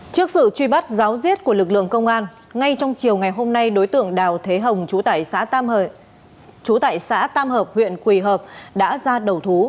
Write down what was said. trước sự truy bắt giáo giết của lực lượng công an ngay trong chiều ngày hôm nay đối tượng đào thế hồng chú tại xã tam hợp huyện quỳ hợp đã ra đầu thú